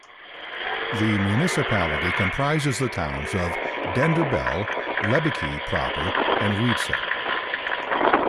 The municipality comprises the towns of Denderbelle, Lebbeke proper and Wieze.